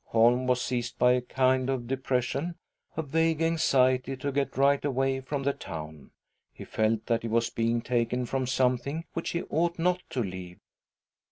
Holm was seized by a land of depression, a vague anxiety to get right away from the town. He felt that he was being taken from something which he ought not to leave.